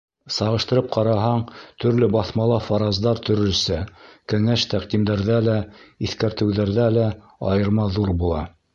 Сағыштырып ҡараһаң, төрлө баҫмала фараздар төрлөсә, кәңәш-тәҡдимдәрҙә лә, иҫкәртеүҙәрҙә лә айырма ҙур була.